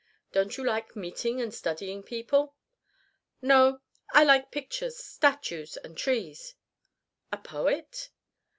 "Don't you like meeting and studying people?" "No. I like pictures, statues and trees." "A poet?"